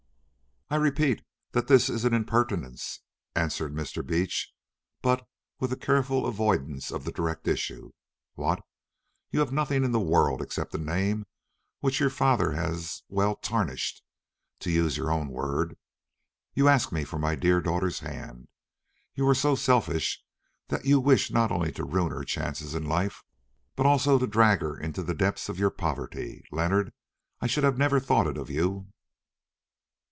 "I repeat that it is an impertinence," answered Mr. Beach, but with a careful avoidance of the direct issue. "What! You, who have nothing in the world except a name which your father has—well—tarnished—to use your own word, you ask me for my dear daughter's hand? You are so selfish that you wish not only to ruin her chances in life, but also to drag her into the depths of your poverty. Leonard, I should never have thought it of you!"